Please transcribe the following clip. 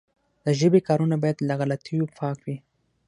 د ژبي کارونه باید له غلطیو پاکه وي.